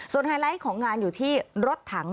ไฮไลท์ของงานอยู่ที่รถถัง